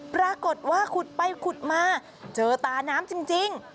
ปรากฏว่าขุดไปขุดมาเจอตาน้ำจริง